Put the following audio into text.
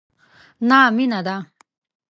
نه مینه ده،